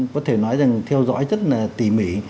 có thể nói rằng theo dõi rất là tỉ mỉ